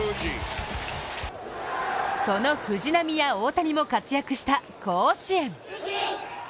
その藤浪や大谷も活躍した甲子園。